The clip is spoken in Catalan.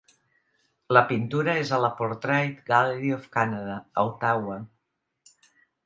La pintura és a la Portrait Gallery of Canada, a Ottawa.